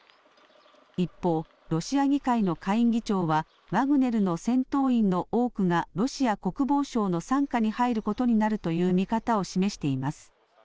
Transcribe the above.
一方、ロシア議会の下院議長は、ワグネルの戦闘員の多くが、ロシア国防省の傘下に入ることになるという見方を示しています。